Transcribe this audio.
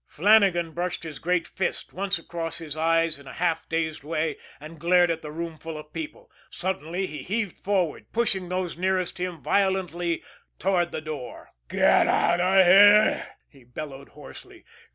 Flannagan brushed his great fist once across his eyes in a half dazed way, and glared at the roomful of people. Suddenly, he heaved forward, pushing those nearest him violently toward the door. "Get out of here!" he bellowed hoarsely.